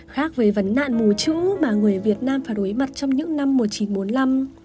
khác về vấn nạn mù chữ mà người việt nam phải đối mặt trong những năm một nghìn chín trăm bốn mươi năm